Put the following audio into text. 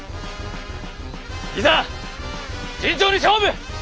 いざ尋常に勝負！